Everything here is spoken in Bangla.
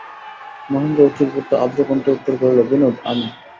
মহেন্দ্র অভিভূত আর্দ্র কণ্ঠে উত্তর করিল, বিনোদ, আমি।